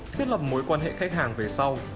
thiết lập mối quan hệ khách hàng về sau